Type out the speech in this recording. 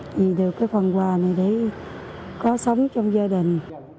vì được cái phần quà này để có sống trong gia đình